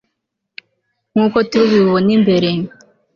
nk'uko turi bubibone imbere